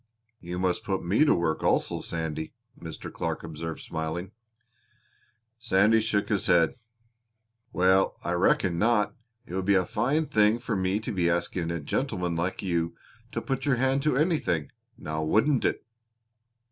"You must put me to work also, Sandy," Mr. Clark observed, smiling. Sandy shook his head. "Well, I reckon not. It would be a fine thing for me to be asking a gentleman like you to put your hand to anything, now wouldn't it!"